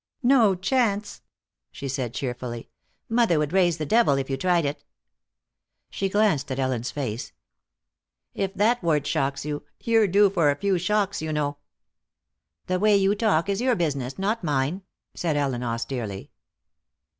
"No chance," she said cheerfully. "Mother would raise the devil if you tried it." She glanced at Ellen's face. "If that word shocks you, you're due for a few shocks, you know." "The way you talk is your business, not mine," said Ellen austerely.